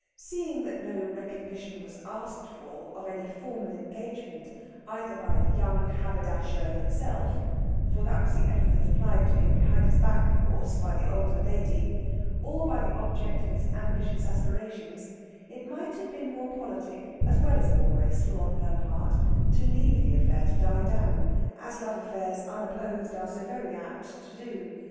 Seeing that no recognition was asked for of any formal engagement either by the "young haberdasher" himself for that was the epithet applied to him (behind his back, of course) by the older lady or by the object of his ambitious aspirations, it might have been more politic, as well as more graceful, on her part, to leave the affair to die down, as love affairs unopposed are so very apt to do.